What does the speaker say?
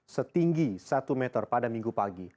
setinggi satu meter pada minggu pagi